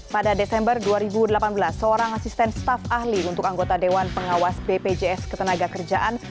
pada desember dua ribu delapan belas seorang asisten staf ahli untuk anggota dewan pengawas bpjs ketenaga kerjaan